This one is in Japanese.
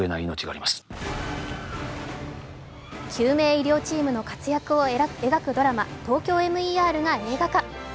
救命医療チームの活躍を描くドラマ「ＴＯＫＹＯＭＥＲ」が映画化。